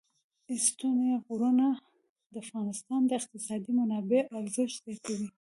ستوني غرونه د افغانستان د اقتصادي منابعو ارزښت زیاتوي.